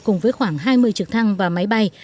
cùng với khoảng hai mươi trực thăng và máy bay